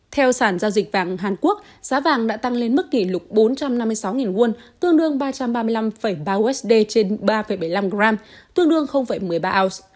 theo sản giao dịch vàng hàn quốc giá vàng đã tăng lên mức kỷ lục bốn trăm năm mươi sáu won tương đương một mươi ba oz